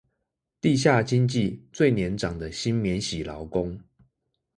地下經濟最年長的新免洗勞工